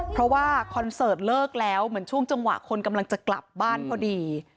เพราะว่าคอนเสิร์ตเลิกแล้วเหมือนช่วงจังหวะคนกำลังจะกลับบ้านพอดี